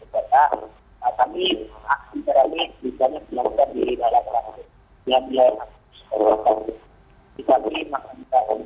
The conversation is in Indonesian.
pada saat ini kita masih tidak di tripoli di jakarta